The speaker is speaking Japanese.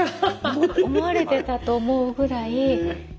思われてたと思うぐらい。